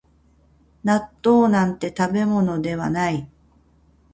納豆なんて食べ物ではない